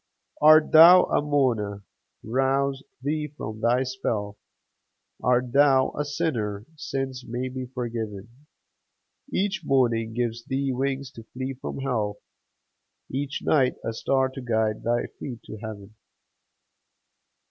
Art thou a mourner? Rouse thee from thy spell ; Art thou a sinner? Sins may be forgiven ; Each morning gives thee wings to flee from hell, Each night a star to guide thy feet to heaven.